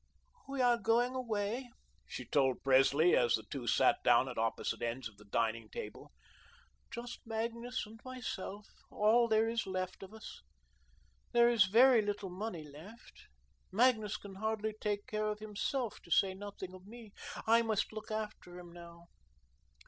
"We are going away," she told Presley, as the two sat down at opposite ends of the dining table. "Just Magnus and myself all there is left of us. There is very little money left; Magnus can hardly take care of himself, to say nothing of me. I must look after him now.